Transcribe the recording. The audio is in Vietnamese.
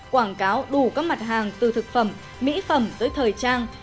quảng cáo đủ các mặt hàng từ thực phẩm mỹ phẩm tới thời trang